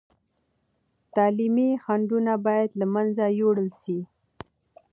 تعلیمي خنډونه باید له منځه یوړل سي.